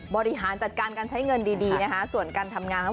บริหารจัดการการใช้เงินดีดีนะคะส่วนการทำงานของ